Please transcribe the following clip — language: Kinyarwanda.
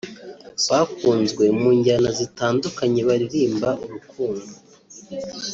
bakunzwe munjyana zitandukanye baririmba urukundo